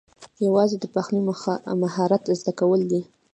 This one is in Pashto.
یوازې د پخلي مهارت زده کول دي